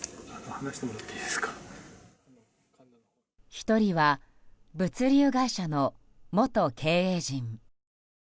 １人は物流会社の元経営陣。